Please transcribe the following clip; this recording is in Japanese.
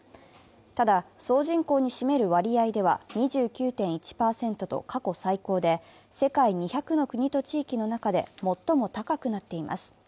ただ、総人口に占める割合では２９．１％と過去最高で世界２００の国と地域の中で最も高くなっています。